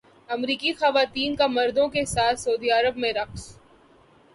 امریکی خواتین کا مردوں کے ساتھ سعودی عرب میں رقص